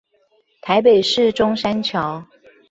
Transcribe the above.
台北市中山橋